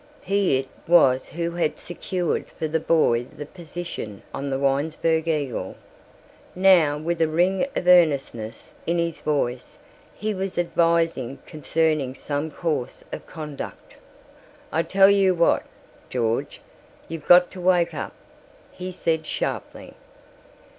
He it was who had secured for the boy the position on the Winesburg Eagle. Now, with a ring of earnestness in his voice, he was advising concerning some course of conduct. "I tell you what, George, you've got to wake up," he said sharply.